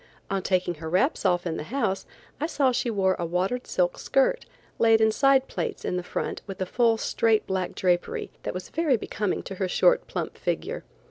On taking her wraps off in the house I saw she wore a watered silk skirt, laid in side plaits in the front with a full straight black drapery, that was very becoming to her short, plump figure.